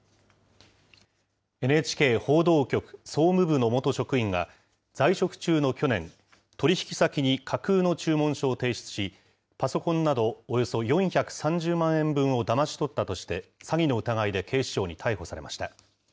ＮＨＫ報道局総務部の元職員が、在職中の去年、取り引き先に架空の注文書を提出し、パソコンなど、およそ４３０万円分をだまし取ったとして、詐欺の疑いで警視庁に逮捕されました。